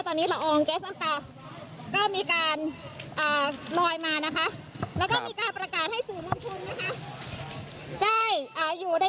ตอนนี้ละอองแก๊สอ้ำตาก็มีการลอยมานะคะ